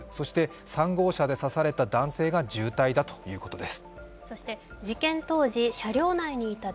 ３号車で刺された男性が重体だということです。